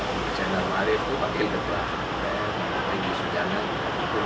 pak jokowi itu pakai tegak dan regi sujana juga diukur